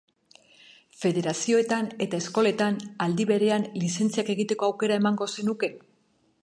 Federazioetan eta eskoletan aldi berean lizentziak egiteko aukera emango zenuke?